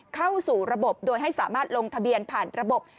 เข้าสู่ระบบโดยให้สามารถลงทะเบียนผ่านระบบ